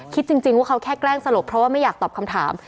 คิดจริงว่าเขาแค่แกล้งสลบเพราะว่าไม่อยากตอบคำถาม